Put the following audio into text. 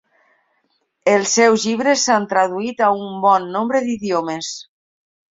Els seus llibres s'han traduït a un bon nombre d'idiomes.